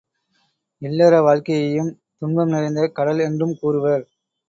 இல்லற வாழ்க்கையையும் துன்பம் நிறைந்த கடல் என்றும் கூறுவர்.